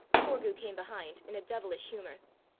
Forgue came behind in a devilish humour.